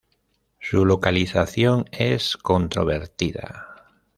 Su localización es controvertida.